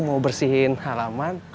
mau bersihin halaman